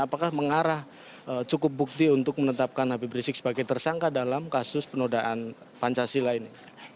apakah mengarah cukup bukti untuk menetapkan habib rizik sebagai tersangka dalam kasus penodaan pancasila ini